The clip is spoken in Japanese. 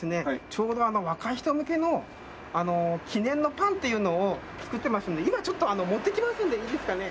ちょうど若い人向けの記念のパンっていうのを作ってますので今ちょっと持ってきますのでいいですかね？